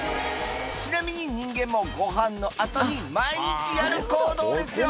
ちなみに人間もごはんの後に毎日やる行動ですよ